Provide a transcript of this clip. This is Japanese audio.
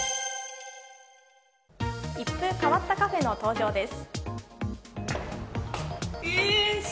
一風変わったカフェの登場です。